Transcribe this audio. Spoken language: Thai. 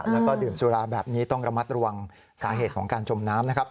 แล้วก็ดื่มสุราแบบนี้ต้องระมัดระวังสาเหตุของการจมน้ำนะครับ